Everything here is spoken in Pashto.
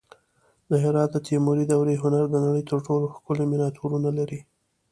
د هرات د تیموري دورې هنر د نړۍ تر ټولو ښکلي مینیاتورونه لري